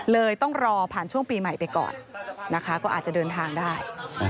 เลยต้องรอผ่านช่วงปีใหม่ไปก่อนนะคะก็อาจจะเดินทางได้